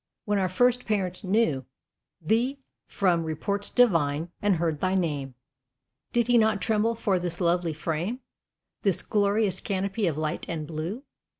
When our first parent knew Thee from report divine, and heard thy name, Did he not tremble for this lovely frame, This glorious canopy of light and blue?